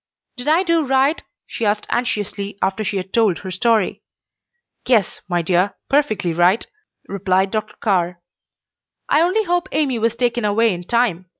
"Did I do right?" she asked anxiously after she had told her story. "Yes, my dear, perfectly right," replied Dr. Carr. "I only hope Amy was taken away in time.